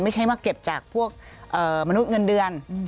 ไม่ใช่ว่าเก็บจากพวกมนุษย์เงินเดือน